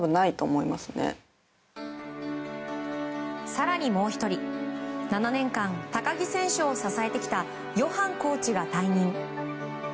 更にもう１人７年間、高木選手を支えてきたヨハンコーチが退任。